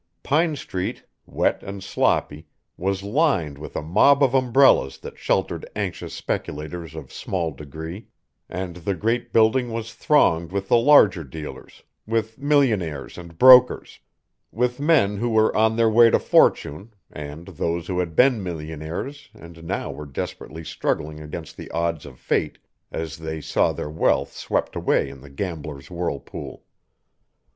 Pine Street, wet and sloppy, was lined with a mob of umbrellas that sheltered anxious speculators of small degree, and the great building was thronged with the larger dealers with millionaires and brokers, with men who were on their way to fortune, and those who had been millionaires and now were desperately struggling against the odds of fate as they saw their wealth swept away in the gamblers' whirlpool.